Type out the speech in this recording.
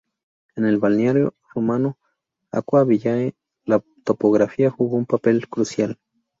En el balneario romano "Aquae Villae" la topografía jugó un papel crucial.